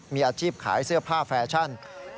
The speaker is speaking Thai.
มีอาชีพขายเสื้อผ้าแฟชั่น